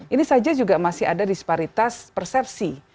ini saja juga masih ada disparitas persepsi